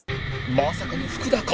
まさかの福田か？